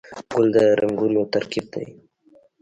ګل د رنګونو ترکیب دی.